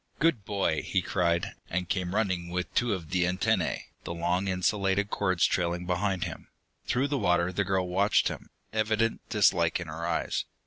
"Good boy!" he cried, and came running with two of the antennae, the long insulated cords trailing behind him. Through the water the girl watched him, evident dislike in her eyes.